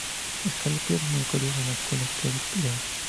Escolapios en el Colegio de las Escuelas Pías de León.